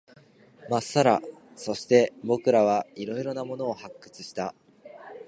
まっさら。そして、僕らは色々なものを発掘した。